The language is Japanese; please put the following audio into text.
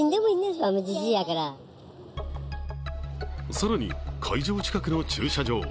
更に、会場近くの駐車場。